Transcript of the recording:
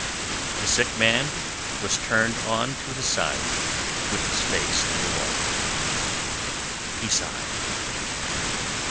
The sick man was turned on to his side with his face to the wall. He sighed.